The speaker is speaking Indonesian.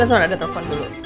sebelas menit ada telepon dulu